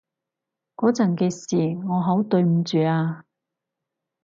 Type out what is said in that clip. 嗰陣嘅事，我好對唔住啊